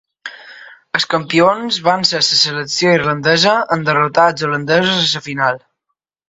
Els campions van ser la selecció irlandesa en derrotar els holandesos a la final.